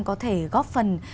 có thể góp phần